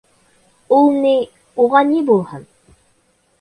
Ул ни... уға ни булһын?